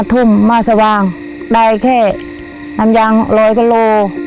ห้าทุ่มมาสว่างได้แค่น้ำยางรอยกระโล